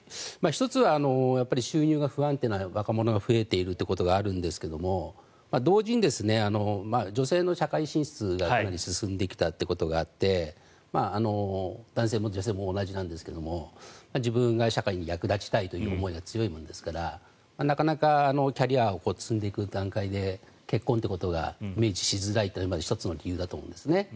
１つは収入が不安定な若者が増えているということがあるんですけども同時に女性の社会進出がかなり進んできたことがあって男性も女性も同じなんですけども自分が社会に役立ちたいという思いが強いものですからなかなかキャリアを積んでいく段階で結婚というのがイメージしづらいというのが１つだと思いますね。